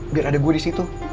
biar ada gue disitu